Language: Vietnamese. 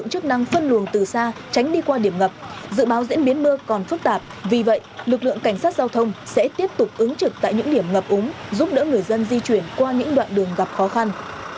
trong quá trình điều tiết giao thông nhiều cán bộ cảnh sát giao thông đã trực tiếp hỗ trợ giúp đỡ người dân và hàng hóa qua đoạn ngập nước